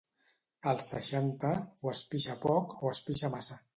Als seixanta, o es pixa poc o es pixa massa.